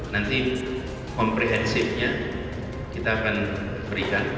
nanti komprehensifnya kita akan berikan